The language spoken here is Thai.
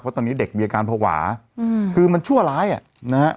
เพราะตอนนี้เด็กมีอาการภาวะอืมคือมันชั่วร้ายอ่ะนะฮะ